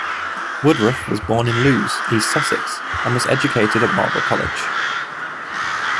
Woodroffe was born in Lewes, East Sussex and was educated at Marlborough College.